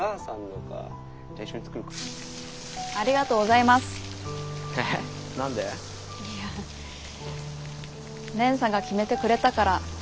いや蓮さんが決めてくれたから。